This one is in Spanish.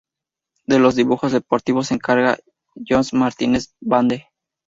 De los dibujos deportivos se encargaba J. M. Martínez Bande.